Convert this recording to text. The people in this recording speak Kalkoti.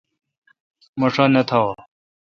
مہ ݭا نہ تھاوا۔